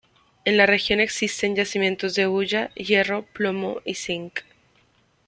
En la región existen yacimientos de hulla, hierro, plomo y zinc.